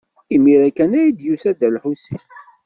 Imir-a kan ay d-yusa Dda Lḥusin.